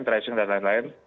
tracing dan lain lain